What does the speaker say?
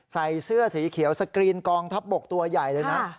ใส่เสื้อสีเขียวสกรีนกองทัพบกตัวใหญ่เลยนะ